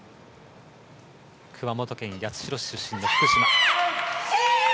熊本県八代市出身の福島。